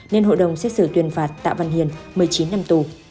nên hội đồng xét xử tuyên phạt tạ văn hiền một mươi chín năm tù